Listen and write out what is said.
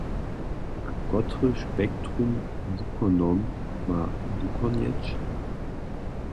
A kotry spektrum wukonow ma wukonjeć?